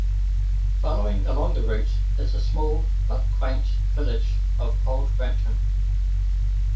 Following along the route is the small, but quaint village of Old Brampton.